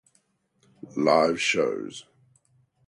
Live shows